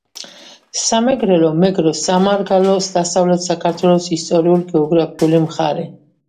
სამეგრელო მეგრ. სამარგალო დასავლეთ საქართველოს ისტორიულ-გეოგრაფიული მხარე.